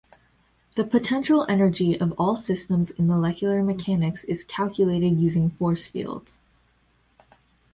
The potential energy of all systems in molecular mechanics is calculated using force fields.